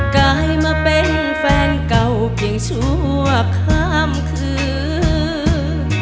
กลายมาเป็นแฟนเก่าเพียงชั่วข้ามคืน